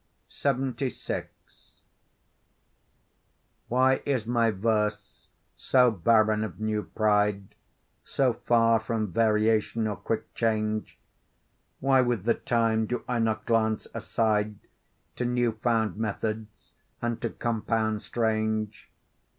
LXXVI Why is my verse so barren of new pride, So far from variation or quick change? Why with the time do I not glance aside To new found methods, and to compounds strange?